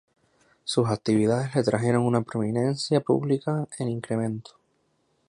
Sus actividades le trajeron una prominencia pública en incremento.